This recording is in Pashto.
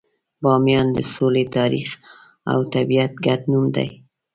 بامیان د سولې، تاریخ، او طبیعت ګډ نوم دی.